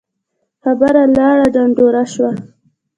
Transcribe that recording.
خبره لاړه ډنډوره شوه.